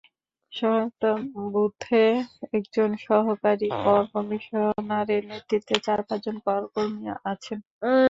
সহায়তা বুথে একজন সহকারী কর কমিশনারের নেতৃত্বে চার পাঁচজন কর কর্মী আছেন।